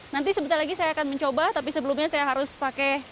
nanti sebentar lagi saya akan mencoba tapi sebelumnya saya harus pakai